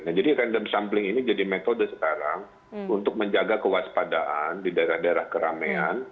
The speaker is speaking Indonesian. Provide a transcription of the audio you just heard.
nah jadi random sampling ini jadi metode sekarang untuk menjaga kewaspadaan di daerah daerah keramaian